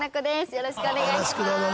よろしくお願いします。